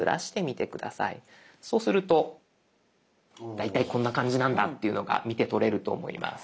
そうすると大体こんな感じなんだというのが見てとれると思います。